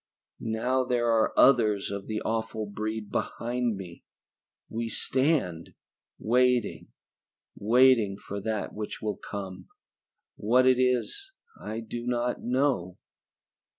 "Now there are others of the awful breed behind me. We stand, waiting, waiting for that which will come. What it is I do not know."